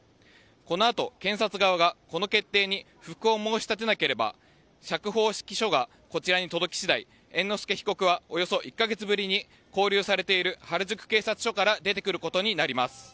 このあと検察側がこの決定に不服を申し立てなければ釈放指揮書がこちらに届き次第猿之助被告はおよそ１か月ぶりに勾留されている原宿警察署から出てくることになります。